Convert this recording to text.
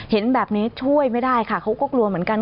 เห็นแบบนี้ช่วยไม่ได้ค่ะเขาก็กลัวเหมือนกัน